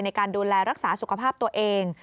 ในการดูแลรักษาสุขภาพตัวเอง